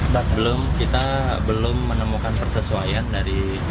dan kita belum menemukan persesuaian dari